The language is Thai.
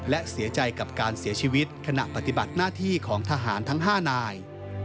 และเสียใจกับการเสียชีวิตขณะปฏิบัติหน้าที่ของทหารทั้ง๕นาย